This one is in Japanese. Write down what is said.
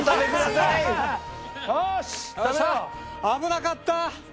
危なかったー！